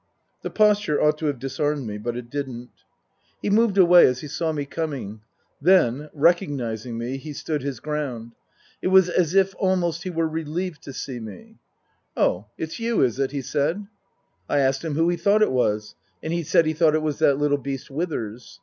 The posture ought to have disarmed me, but it didn't. Book I : My Book 61 He moved away as he saw me coming, then, recognizing me, he stood his ground. It was as if almost he were relieved to see me. " Oh, it's you, is it ?" he said. I asked him who he thought it was, and he said he thought it was that little beast Withers.